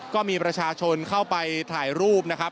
ก็มีประชาชนเข้าไปถ่ายรูปนะครับ